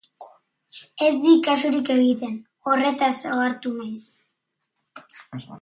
Ez dit kasurik egiten, horretaz ohartu naiz.